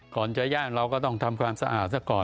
ก่อนจะย่างเราก็ต้องทำความสะอาดซะก่อน